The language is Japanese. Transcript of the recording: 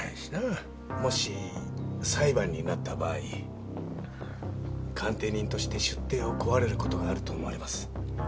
もし裁判になった場合鑑定人として出廷を請われる事があると思われます。